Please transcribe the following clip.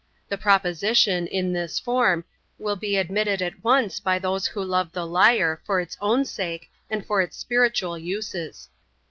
The proposition, in this form, will be admitted at once by those who love the lyre for its own sake, and for its spiritual uses.